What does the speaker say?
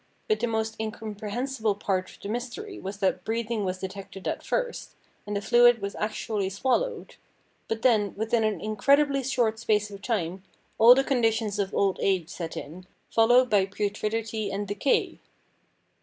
But the most incomprehensible part of the mystery was that breathing was detected at first, and the fluid was actually swallowed ; but then, within an in credibly short space of time, all the conditions of old age set in, followed by putridity and decay.